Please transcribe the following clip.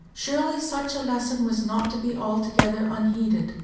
Surely such a lesson was not to be altogether unheeded!